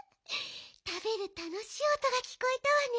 たべるたのしいおとがきこえたわね。